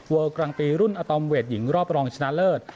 กลางปีรุ่นอาตอมเวทหญิงรอบรองชนะเลิศ